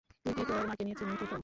তুই কি তোর মাকে নিয়ে চিন্তিত?